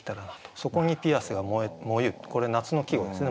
そこに「ピアスが炎ゆ」。これ夏の季語ですね